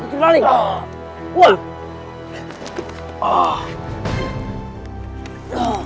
uak tidak apa apa